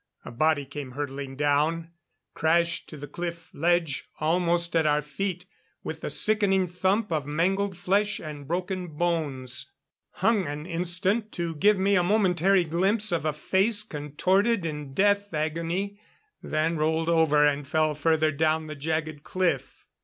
A body came hurtling down, crashed to the cliff ledge almost at our feet with the sickening thump of mangled flesh and broken bones hung an instant to give me a momentary glimpse of a face contorted in death agony; then rolled over and fell further down the jagged cliff.